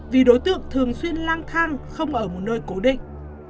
vì đối tượng thường xuyên lang thang không ở một nơi cố định